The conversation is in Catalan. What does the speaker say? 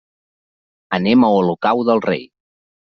Anem a Olocau del Rei.